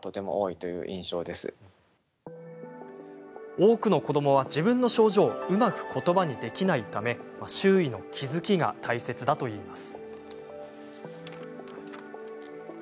多くの子どもは自分の症状をうまくことばにできないため周囲の気付きが大切だといいます。